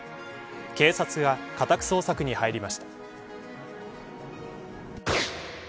警察が家宅捜索に入りました。